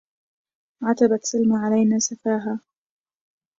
عتبت سلمى علينا سفاها